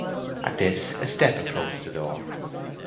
At this a step approached the door.